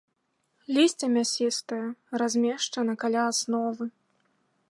Лісце мясістае, размешчана каля асновы.